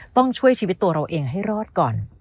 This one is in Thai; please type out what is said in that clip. ต้องช่วยชีวิตตัวเราเองให้รอดก่อน